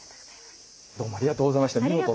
どうもありがとうございました見事。